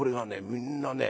みんなね